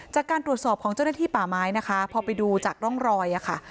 จากการตรวจสอบของเจ้าหน้าที่ป่าไม้นะคะพอไปดูจากร่องรอยค่ะ